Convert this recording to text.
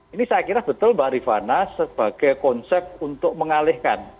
ini saya kira betul mbak rifana sebagai konsep untuk mengalihkan